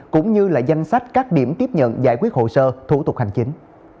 cũng như là danh sách các điểm tiếp nhận giải quyết hồ sơ thủ tục hành chính